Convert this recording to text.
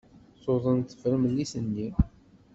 Tuḍen tefremlit-nni.